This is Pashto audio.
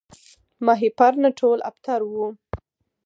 ماهیپر نه ټول ابتر وو